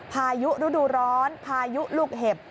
พายุฤดูร้อนพายุลูกเห็บ